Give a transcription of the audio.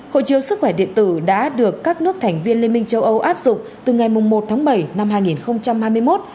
hội chiếu sức khỏe điện tử đã được các nước thành viên liên minh châu âu áp dụng từ ngày một tháng bảy năm hai nghìn hai mươi một